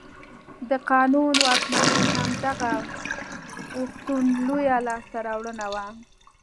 د قانون واکمني هم د دغه اوښتون لویه لاسته راوړنه وه.